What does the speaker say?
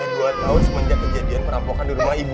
dua tahun semenjak kejadian perampokan di rumah ibu